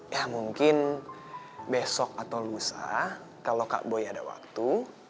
ya mungkin besok atau lusa kalo kaboy ada waktu